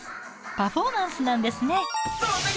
パフォーマンスなんですね。